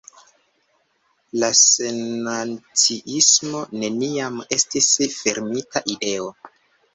La sennaciismo neniam estis fermita ideo.